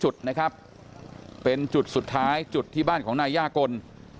จุดนะครับเป็นจุดสุดท้ายจุดที่บ้านของนายย่ากล